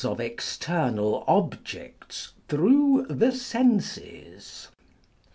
21 of external objects through the senses.